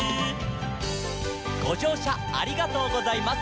「ごじょうしゃありがとうございます」